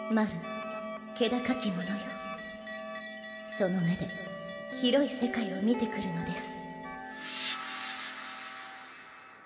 その目で広い世界を見てくるのです。